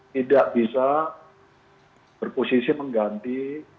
tidak bisa berposisi mengganti